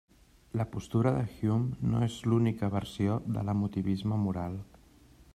La postura de Hume no és l'única versió de l'Emotivisme Moral.